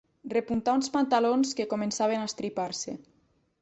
Repuntar uns pantalons que començaven a estripar-se.